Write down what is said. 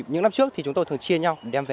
những năm trước thì chúng tôi thường chia nhau